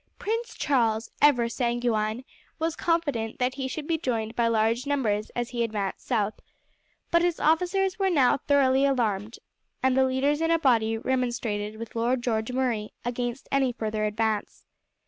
Prince Charles, ever sanguine, was confident that he should be joined by large numbers as he advanced south; but his officers were now thoroughly alarmed, and the leaders in a body remonstrated with Lord George Murray against any further advance.